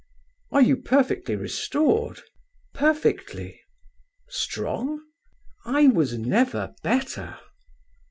"Are you perfectly restored?" "Perfectly." "Strong?" "I was never better."